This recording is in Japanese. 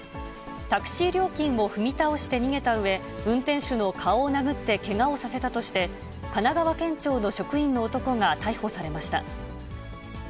タクシー料金を踏み倒して逃げたうえ、運転手の顔を殴ってけがをさせたとして、神奈川県庁の職員の男が逮捕されました。